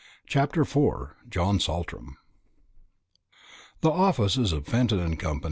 CHAPTER IV. JOHN SALTRAM. The offices of Fenton and Co.